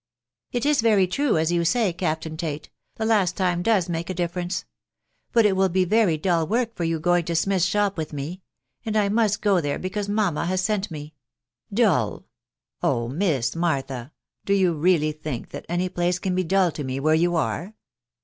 " It is very true, as you say, Captain Tate ; the last time does make a difference. But it will be very dull work for you going to Smith's shop with me ;.... and I must go there, because mamma has sent me." " Dull !.... Oh ! Miss Martha, do you really think that any place can be dull to me where you are?"